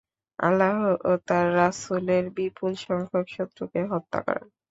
আল্লাহ ও তাঁর রাসূলের বিপুল সংখ্যক শত্রুকে হত্যা করেন।